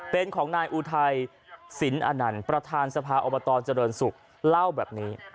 เป็นของนายอุทัยสินอนันต์ประธานสภาอบตเจริญศุกร์เล่าแบบนี้